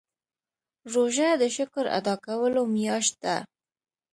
روژه د شکر ادا کولو میاشت ده.